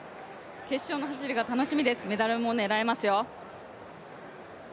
決勝の走りが楽しみです、メダルも狙えますよ。